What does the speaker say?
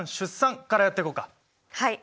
はい。